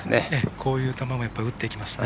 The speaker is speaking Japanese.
こういう球も打っていきますね。